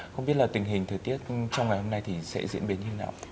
không biết là tình hình thời tiết trong ngày hôm nay thì sẽ diễn biến như thế nào